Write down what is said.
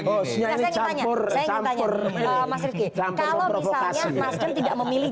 kalau misalnya mas demas tidak memilih